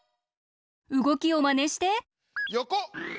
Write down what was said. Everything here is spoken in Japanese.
うごきをまねして！